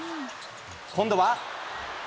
今度は。